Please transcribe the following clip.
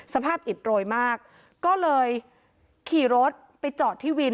อิดโรยมากก็เลยขี่รถไปจอดที่วิน